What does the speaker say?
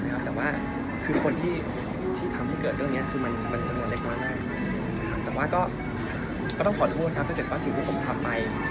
คนทำให้เกิดเรื่องนี้มันจำมอดเล็กมากแต่ต้องขอโทษถ้าเป็นสิ่งที่ผมทำไป